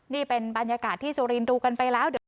นี่เป็นบรรยากาศที่จูรีนดูกันไปแล้ว